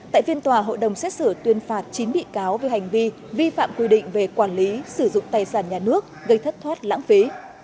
tại phiên tòa hội đồng xét xử tuyên phạt chín bị cáo về hành vi vi phạm quy định về quản lý sử dụng tài sản nhà nước gây thất thoát lãng phí